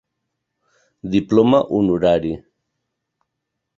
Diploma Honorari.